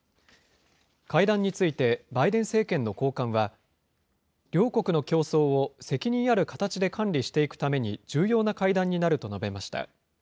会談についてバイデン政権の高官は、両国の競争を責任ある形で管理していくために、重要な会談になると述べました。